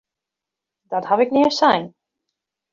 Dat ha ik nea sein!